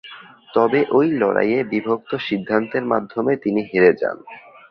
তবে ওই লড়াইয়ে বিভক্ত সিদ্ধান্তের মাধ্যমে তিনি হেরে যান।